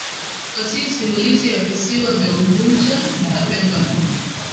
fasihi simulizi ya visiwa vya Unguja na Pemba